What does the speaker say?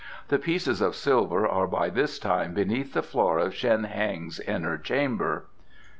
The pieces of silver are by this time beneath the floor of Shen Heng's inner chamber."